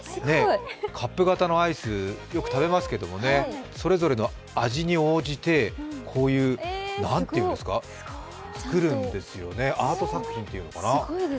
カップ型のアイス、よく食べますけども、それぞれの味に応じてこういう何ていうんですか、作るんですね、アート作品っていうのかな。